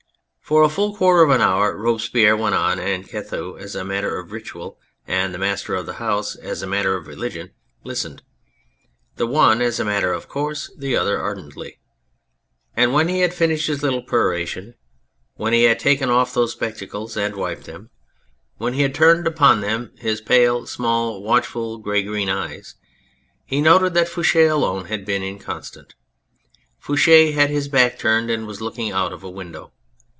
For a full quarter of an hour Robespierre went on, and Couthon, as a matter of ritual, and the master of the house as a matter of religion, listened : the one as a matter of course, the other ardently. And when he had finished his little peroration, when he had taken off those spectacles and wiped them, when he 278 The Judgment of Robespierre had turned upon them his pale, small, watchful, grey green eyes, he noted that Fouche alone had been inconstant. Fouche had his back turned and was looking out of a window.